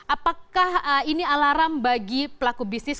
apakah ini alarm bagi pelaku bisnis